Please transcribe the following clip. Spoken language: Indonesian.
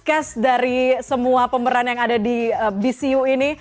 cash dari semua pemeran yang ada di bcu ini